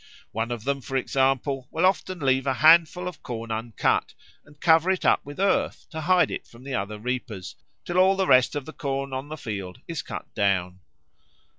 One of them, for example, will often leave a handful of corn uncut and cover it up with earth to hide it from the other reapers, till all the rest of the corn on the field is cut down.